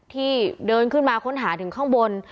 ที่เดินขึ้นมาค้นหาถึงข้างบน